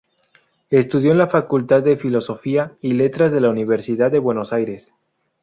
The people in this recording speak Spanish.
Estudió en la Facultad de Filosofía y Letras de la Universidad de Buenos Aires.